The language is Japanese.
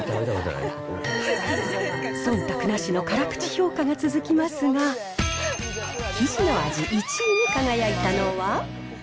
そんたくなしの辛口評価が続きますが、生地の味１位に輝いたのは。